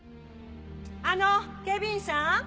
あの警備員さん！